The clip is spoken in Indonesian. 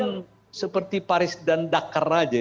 ini seperti baris dan dakar saja